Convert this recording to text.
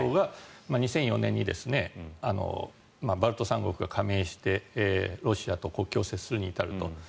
ＮＡＴＯが２００４年にバルト三国が加盟してロシアと国境を接するに至ると。